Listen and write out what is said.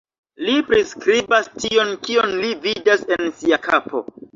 Li priskribas tion kion li vidas en sia kapo.